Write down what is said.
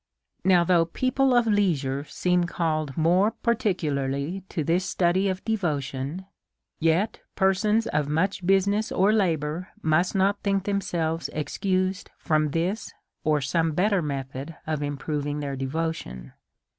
Now, though people of leisure seem called more particularly to this study of devotion, yet persons of much business or labour must not think themselves ex cused from this or some better method of improving their devotion.